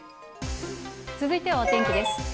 続いてはお天気です。